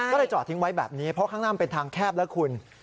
ก็เลยจอดทิ้งไว้แบบนี้เพราะข้างหน้ามันเป็นทางแคบแล้วคุณ